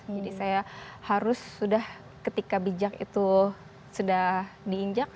jadi saya harus sudah ketika bijak itu sudah diinjak